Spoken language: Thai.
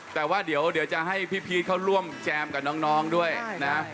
แต่ว่าเดี๋ยวจะให้พี่พีชเขาร่วมแจมกับน้องด้วยนะ